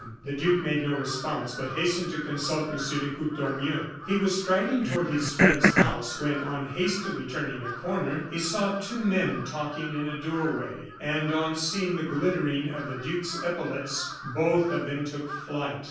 The duke made no response, but hastened to consult M. de Courtornieu. He was striding toward his friend's house when, on hastily turning a corner, he saw two men talking in a doorway, and on seeing the glittering of the duke's epaulets, both of them took flight.